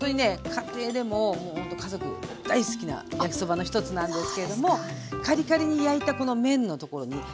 家庭でももうほんと家族も大好きな焼きそばの一つなんですけれどもカリカリに焼いたこの麺の所に生野菜がたっぷり。